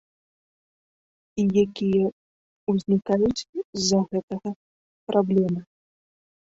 І якія ўзнікаюць з-за гэтага праблемы.